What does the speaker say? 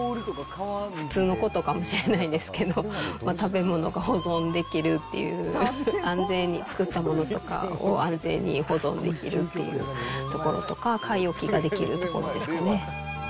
普通のことかもしれないんですけど、食べ物が保存できるっていう、安全に、作ったものとかを安全に保存できるっていうところとか、買い置きができるところですかね。